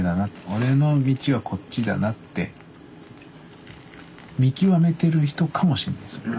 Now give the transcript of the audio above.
俺の道はこっちだなって見極めてる人かもしんないそれは。